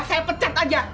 saya pecat aja